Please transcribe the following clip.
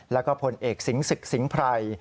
และก็ผลเอกสิงสึกสิงไพร